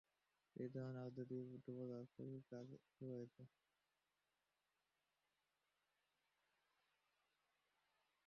একই ধরনের আরও দুটি ডুবোজাহাজ তৈরির কাজ এরই মধ্যে শুরু হয়েছে।